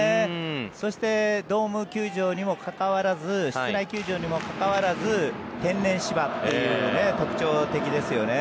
そしてドーム球場にもかかわらず室内球場にもかかわらず天然芝というのが特徴的ですよね。